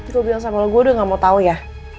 lo bilang sama lo gue udah gak mau tau ya